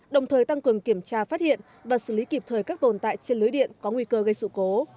đồng thời tăng cường kiểm tra phát hiện và xử lý kịp thời các tồn tại trên lưới điện có nguy cơ gây sự cố